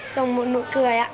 trong một nụ cười